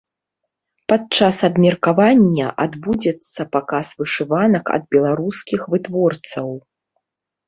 Падчас абмеркавання адбудзецца паказ вышыванак ад беларускіх вытворцаў.